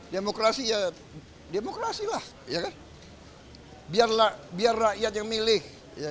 demokrasi ya demokrasi lah biar rakyat yang milih